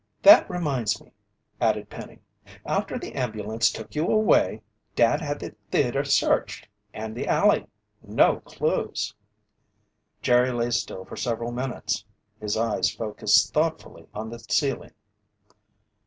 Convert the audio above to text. "That reminds me," added Penny. "After the ambulance took you away, Dad had the theater searched and the alley. No clues." Jerry lay still for several minutes, his eyes focused thoughtfully on the ceiling.